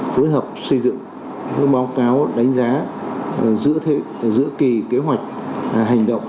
phối hợp xây dựng báo cáo đánh giá giữa kỳ kế hoạch hành động